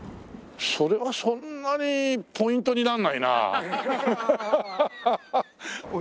それはそんなにポイントになんないな。